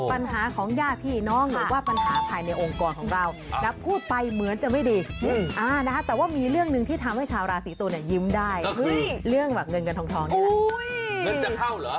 อันนี้ดีนะครับแต่ว่ามีเรื่องหนึ่งที่ทำให้ชาวราศรีตุลยิ้มได้เรื่องแบบเงินเงินทองเนี่ย